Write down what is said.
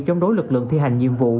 chống đối lực lượng thi hành nhiệm vụ